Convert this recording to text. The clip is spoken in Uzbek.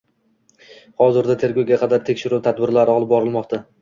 Hozirda tergovga qadar tekshiruv tadbirlari olib borilmoqda